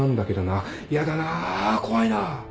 やだな怖いな。